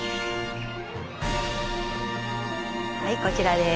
はいこちらです。